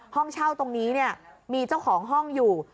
ห้องเช่าตรงนี้เนี่ยมีเจ้าของห้องอยู่